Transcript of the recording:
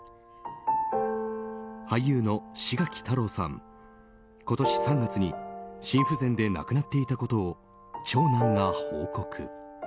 俳優の志垣太郎さん、今年３月に心不全で亡くなっていたことを長男が報告。